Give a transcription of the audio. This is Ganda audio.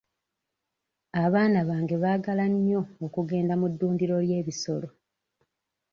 Abaana bange baagala nnyo okugenda mu ddundiro ly'ebisolo.